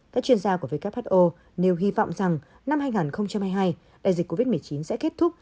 các chuyên gia của who nêu hy vọng rằng năm hai nghìn hai mươi hai đại dịch covid một mươi chín sẽ kết thúc